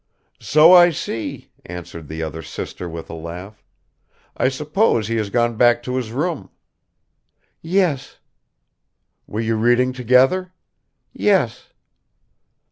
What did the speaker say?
"So I see," answered the other sister with a laugh. "I suppose he has gone back to his room." "Yes." "Were you reading together?" "Yes."